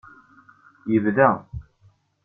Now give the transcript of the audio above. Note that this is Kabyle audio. Yebda.